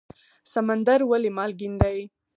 سمندر ولې مالګین دی؟